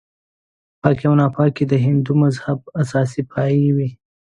پاکي او ناپاکي د هندو مذهب اساسي پایې وې.